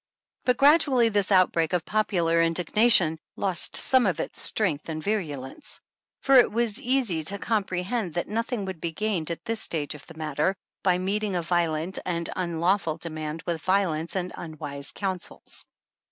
But gradually this outbreak of popular indignation lost some of its strength and virulence, for it was easy to comprehend that nothing would be gained at this stage of the matter by meeting a violent and unlaw ful demand with violence and unwise counsels.